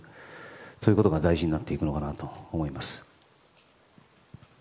そういうことが大事になってくるのかなと思います。